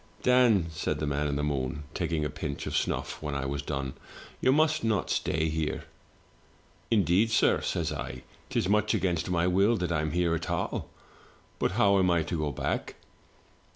*Dan,' said the man in the moon, taking a pinch of snufif when I was done, 'you must not stay here.' " 'Indeed, sir,' says I, * 'tis much against my will that I'm here at all; but how am I to go back?'